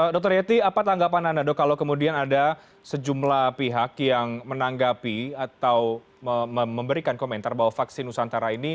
dr yeti apa tanggapan anda dok kalau kemudian ada sejumlah pihak yang menanggapi atau memberikan komentar bahwa vaksin nusantara ini